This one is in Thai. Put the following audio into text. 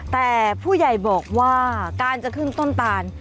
แต่ผู้ใหญ่บอกว่าการจะขึ้นต้นตาล